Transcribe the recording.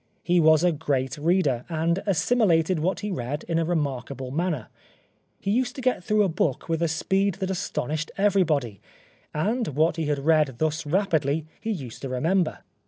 He was a great reader, and assimilated what he read in a remarkable manner. He used to get through a book with a speed that astonished everybody; and what he had read thus rapidly, he used to remember.